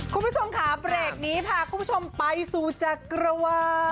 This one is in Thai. คุณผู้ชมค่ะเบรกนี้พาคุณผู้ชมไปสู่จักรวาล